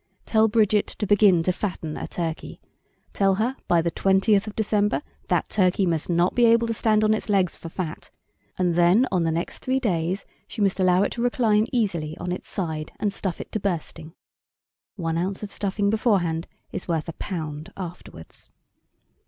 Tell Bridget to begin to fatten a turkey. Tell her by the twentieth of December that turkey must not be able to stand on its legs for fat, and then on the next three days she must allow it to recline easily on its side, and stuff it to bursting. (One ounce of stuffing beforehand is worth a pound afterwards.)